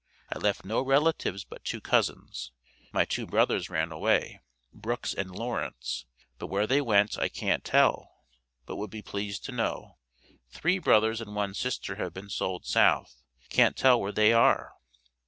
I left no relatives but two cousins; my two brothers ran away, Brooks and Lawrence, but where they went I can't tell, but would be pleased to know. Three brothers and one sister have been sold South, can't tell where they are."